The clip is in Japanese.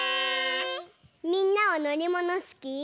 みんなはのりものすき？